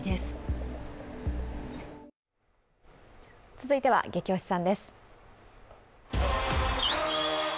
続いてはゲキ推しさんです。